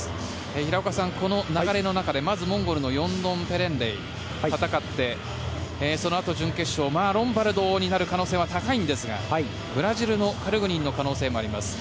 平岡さん、この流れの中でまずモンゴルのヨンドンペレンレイと戦って、そのあと準決勝ロンバルドになる可能性は高いんですがブラジルのカルグニンの可能性もあります。